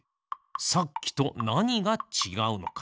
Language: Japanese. さっきとなにがちがうのか。